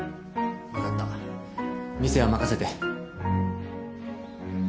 分かった店は任せて。